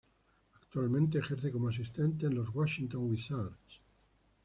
Actualmente ejerce como asistente en los Washington Wizards.